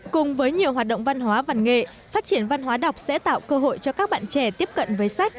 cùng với nhiều hoạt động văn hóa văn nghệ phát triển văn hóa đọc sẽ tạo cơ hội cho các bạn trẻ tiếp cận với sách